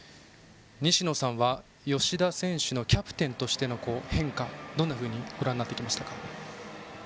西野さんは吉田選手のキャプテンとしての変化をどんなふうにご覧になってきましたか。